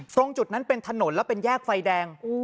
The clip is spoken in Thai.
ตรงจุดนั้นเป็นถนนและเป็นแยกไฟแดง